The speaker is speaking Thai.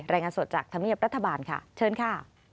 รายงานสดจากธรรมเนียบรัฐบาลค่ะเชิญค่ะ